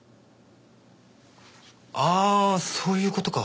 ああそういう事か。